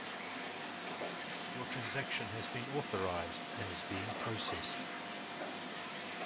Your transaction has been authorized and is being processed.